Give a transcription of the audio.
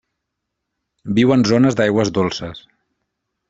Viu en zones d'aigües dolces.